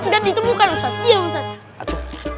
dan itu bukan pak ustadz